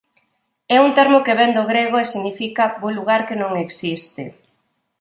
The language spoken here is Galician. É un termo que vén do grego e significa "bo lugar que non existe".